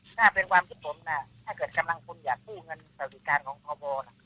ถ้าเป็นความที่ผมนะถ้าเกิดกำลังคนอยากกู้เงินประวบิทการของขอบคล